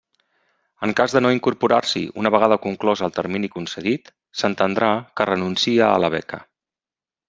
En cas de no incorporar-s'hi una vegada conclòs el termini concedit, s'entendrà que renuncia a la beca.